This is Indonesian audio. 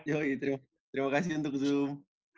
ya terima kasih untuk zoom